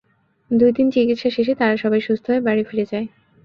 দুই দিন চিকিৎসা শেষে তারা সবাই সুস্থ হয়ে বাড়ি ফিরে যায়।